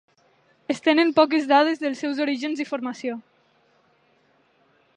Es tenen poques dades dels seus orígens i formació.